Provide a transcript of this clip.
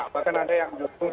bukan ada yang justru